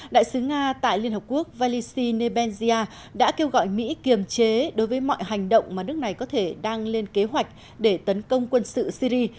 đại sứ nga tại liên hợp quốc valisie nebensia đã kêu gọi mỹ kiềm chế đối với mọi hành động mà nước này có thể đang lên kế hoạch để tấn công quân sự syri